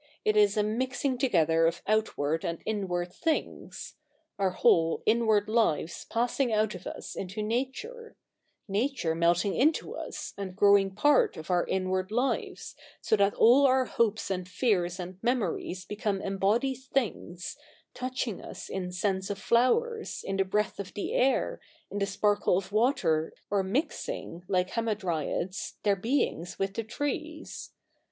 It is a mixing together of outward and inward things — our whole inward lives passing out of us into Nature ; Nature melting into us, and growing part of our inward lives, so that all our hopes and fears and memories become embodied things, touching us in scents of flowers, in the breath of the air, in the sparkle of water, or mixing, like Hamadrj'ads, their beings with the trees.